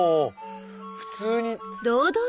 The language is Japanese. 普通に。